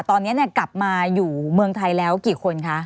ตอนนี้กลับมาอยู่เมืองไทยแล้วกี่คนคะ